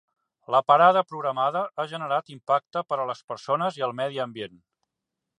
La parada programada ha generat impacte per a les persones i el medi ambient.